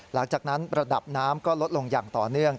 หลังจากนั้นระดับน้ำก็ลดลงอย่างต่อเนื่อง